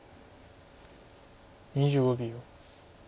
２５秒。